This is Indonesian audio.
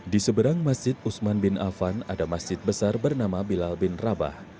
di seberang masjid usman bin afan ada masjid besar bernama bilal bin rabah